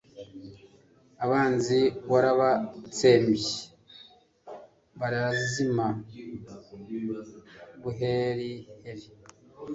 Abanzi warabatsembye barazima buheriheri